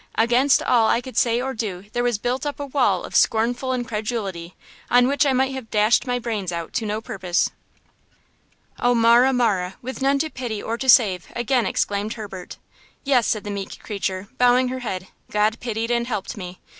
Against all I could say or do there was built up a wall of scornful incredulity, on which I might have dashed my brains out to no purpose." "Oh, Marah, Marah! with none to pity or to save!" again exclaimed Herbert. "Yes," said the meek creature, bowing her head; "God pitied and helped me!